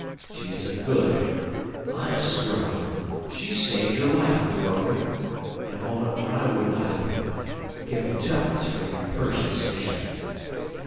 She is a good, honest girl, and she saved your life, daroga, at a moment when I would not have given twopence for your Persian skin.